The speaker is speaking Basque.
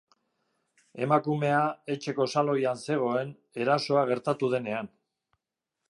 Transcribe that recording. Emakumea etxeko saloian zegoen erasoa gertatu denean.